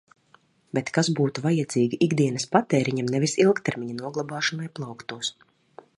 Bet kas būtu vajadzīgi ikdienas patēriņam, nevis ilgtermiņa noglabāšanai plauktos.